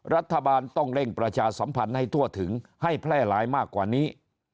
รัฐบาลต้องเร่งประชาสัมพันธ์ให้ทั่วถึงให้แพร่หลายมากกว่านี้